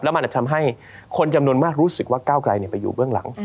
มันอาจจะทำให้คนจำนวนมากรู้สึกว่าก้าวไกลไปอยู่เบื้องหลัง